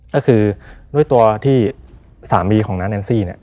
ก็คือด้วยตัวที่สามีของน้าแอนซี่เนี่ย